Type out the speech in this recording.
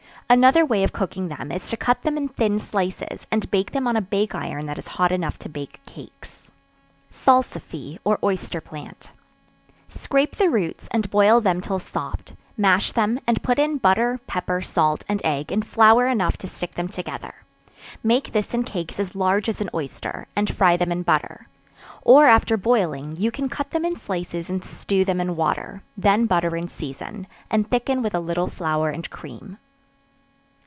Another way of cooking them is to cut them in thin slices, and bake them on a bake iron that is hot enough to bake cakes. Salsify, or Oyster Plant. Scrape the roots, and boil them till soft; mash them, and put in butter, pepper, salt, and egg and flour enough to stick them together; make this in cakes as large as an oyster, and fry them in butter; or after boiling, you can cut them in slices and stew them in water; then butter and season, and thicken with a little flour and cream.